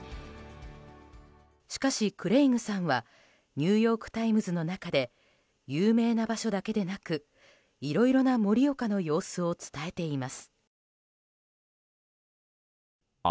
しかし、クレイグさんはニューヨーク・タイムズの中で有名な場所だけでなくいろいろな盛岡の様子を伝えています。